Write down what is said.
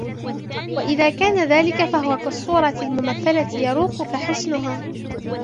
وَإِذَا كَانَ ذَلِكَ فَهُوَ كَالصُّورَةِ الْمُمَثَّلَةِ يَرُوقُك حُسْنُهَا